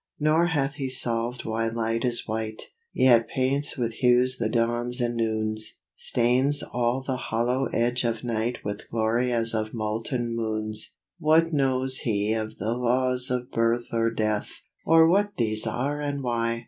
Nor hath he solved why light is white, Yet paints with hues the dawns and noons, Stains all the hollow edge of night With glory as of molten moons. What knows he of the laws of birth Or death, or what these are and why!